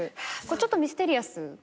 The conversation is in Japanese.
ちょっとミステリアス。